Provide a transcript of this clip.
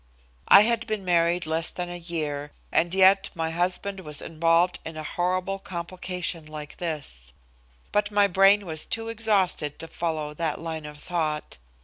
I had been married less than a year, and yet my husband was involved in a horrible complication like this. But my brain was too exhausted to follow that line of thought.